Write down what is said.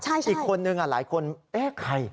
ใช่อีกคนนึงอ่ะหลายคนเอ๊ะใคร